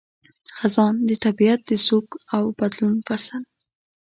خزان – د طبیعت د سوګ او بدلون فصل